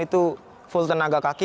itu full tenaga kaki